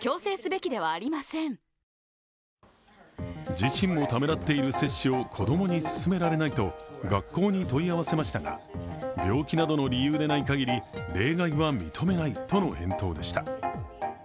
自身もためらっている接種を子供に勧められないと学校に問い合わせましたが、病気などの理由でないかぎり例外は認めないとの返答でした。